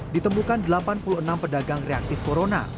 ditemukan delapan puluh enam pedagang reaktif corona